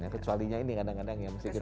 kecuali ini kadang kadang yang harus kita jaga